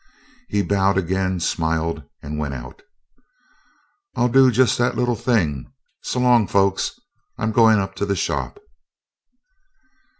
He bowed again, smiled, and went out. "I'll do just that little thing. So long, folks, I'm going up to the shop."